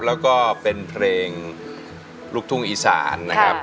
แล้วก็เป็นเพลงลูกทุ่งอีสานนะครับ